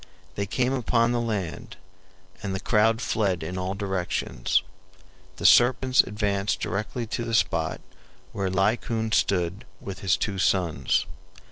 They came upon the land, and the crowd fled in all directions. The serpents advanced directly to the spot where Laocoon stood with his two sons.